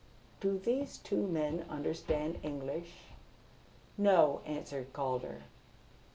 Do these two men understand English?" "No," answered Calder.